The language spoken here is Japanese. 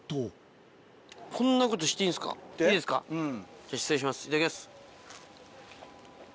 じゃあ失礼しますいただきます。